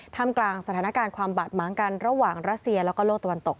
ทำกลางสถานการณ์ความบาดม้างกันระหว่างรัสเซียแล้วก็โลกตะวันตก